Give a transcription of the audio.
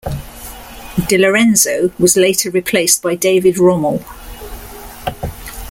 Delorenzo was later replaced by David Rommel.